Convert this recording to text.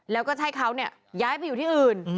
แล้วก็จะให้เขาย้ายไปอยู่ที่อื่น